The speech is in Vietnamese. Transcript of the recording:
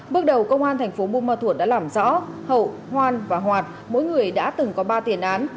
bước đầu công an thành phố bumathua đã làm rõ hậu hoan và hoạt mỗi người đã từng có ba tiền án